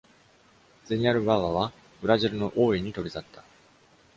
ゼニアル・バヴァはブラジルの大井に飛び去った。